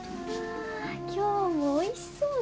ああ今日もおいしそうだね。